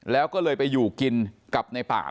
แล้วก็เลยไปอยู่กินกับในป่า